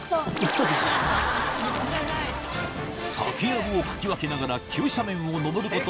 竹やぶをかき分けながら急斜面を上ること